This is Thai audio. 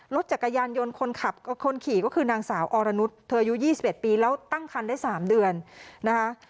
รถจักรยานยนต์คนขับกับคนขี่ก็คือนางสาวอรนุษย์เธออายุ๒๑ปีแล้วตั้งคันได้๓เดือนนะคะ